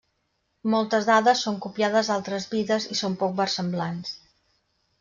Moltes dades són copiades d'altres vides i són poc versemblants.